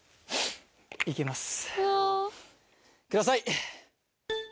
行きます。